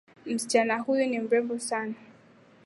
Msichana huyu ni mrembo sana.